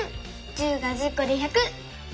１０が１０こで１００！